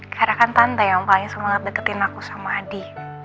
karena kan tante yang paling semangat deketin aku sama adi